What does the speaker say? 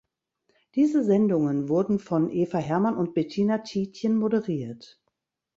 Diesen Sendungen wurden von Eva Herman und Bettina Tietjen moderiert.